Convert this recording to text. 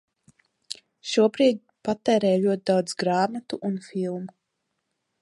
Šobrīd patērēju ļoti daudz grāmatu un filmu.